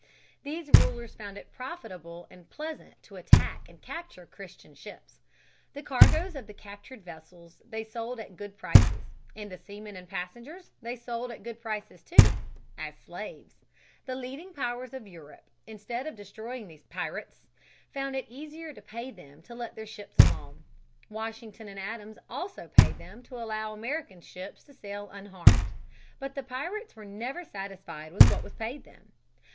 These rulers found it profitable and pleasant to attack and capture Christian ships. The cargoes of the captured vessels they sold at good prices, and the seamen and passengers they sold at good prices too as slaves. The leading powers of Europe, instead of destroying these pirates, found it easier to pay them to let their ships alone. Washington and Adams also paid them to allow American ships to sail unharmed. But the pirates were never satisfied with what was paid them.